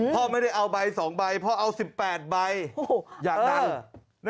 พ่อไม่ได้เอาใบสองใบพ่อเอาสิบแปดใบอย่างนั้น